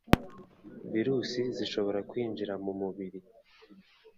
virusi zishobora kwinjira mu mubiri